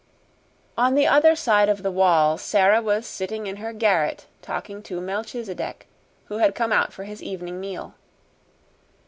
On the other side of the wall Sara was sitting in her garret talking to Melchisedec, who had come out for his evening meal.